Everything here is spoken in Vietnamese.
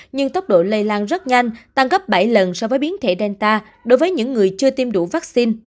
nhưng tốc độ lây lan rất nhanh tăng gấp bảy lần so với biến thể danta đối với những người chưa tiêm đủ vaccine